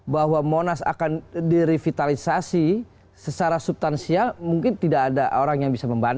bahwa monas akan direvitalisasi secara subtansial mungkin tidak ada orang yang bisa membantu